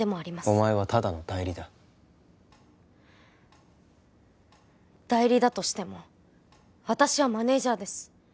お前はただの代理だ代理だとしても私はマネージャーです